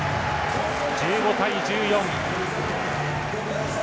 １５対１４。